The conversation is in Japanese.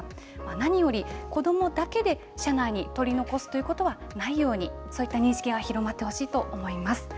何より子どもだけで車内に取り残すということはないように、そういった認識が広まってほしいと思います。